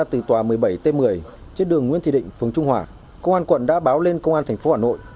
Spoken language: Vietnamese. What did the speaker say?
từ tòa một mươi bảy t một mươi trên đường nguyễn thị định phường trung hòa công an quận đã báo lên công an tp hà nội